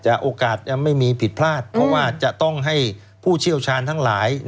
แต่โอกาสไม่มีผิดพลาดเพราะว่าจะต้องให้ผู้เชี่ยวชาญทั้งหลาย